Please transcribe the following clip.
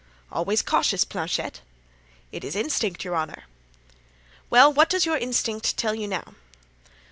"Always cautious, Planchet." "'Tis instinct, your honor." "Well, what does your instinct tell you now?"